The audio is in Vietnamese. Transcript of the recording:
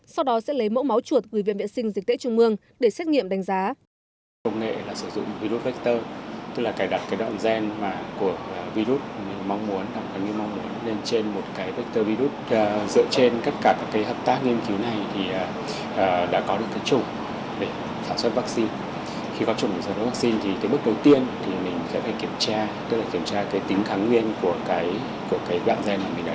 sau đó sẽ lấy mẫu máu chuột gửi viện vệ sinh dịch tễ trung mương để xét nghiệm đánh giá